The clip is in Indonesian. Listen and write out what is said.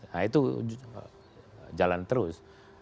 nah itu jalan terus